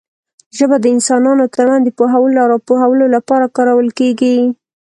ژبه د انسانانو ترمنځ د پوهولو او راپوهولو لپاره کارول کېږي.